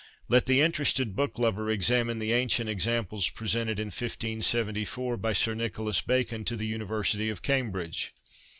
Let the interested book lover examine the ancient examples presented in 1574 by Sir Nicholas Bacon to the University of Cambridge.